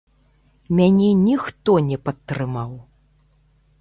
Мяне ніхто не падтрымаў.